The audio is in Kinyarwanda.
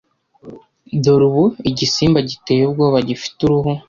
Dore ubu igisimba giteye ubwoba gifite uruhu